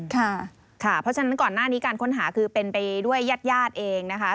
เพราะฉะนั้นก่อนหน้านี้การค้นหาคือเป็นไปด้วยญาติญาติเองนะคะ